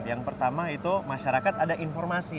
yang pertama itu masyarakat ada informasi